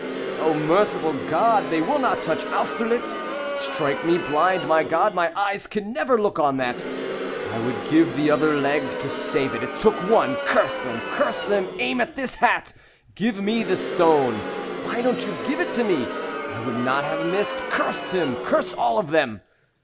"Oh, merciful God, they will not touch Austerlitz! Strike me blind, my God, my eyes can never look on that. I would give the other leg to save it, it took one. Curse them! Curse them! Aim at his hat. Give me the stone. Why didn't you give it to me? I would not have missed. Curse him! Curse all of them!